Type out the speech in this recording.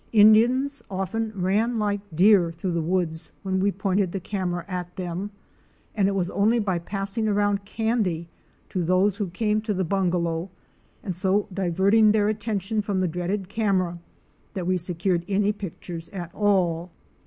Indians often ran like deer through the woods when we pointed the camera at them and it was only by passing around candy to those who came to the bungalow and so diverting their attention from the dreaded camera, that we secured any pictures at all.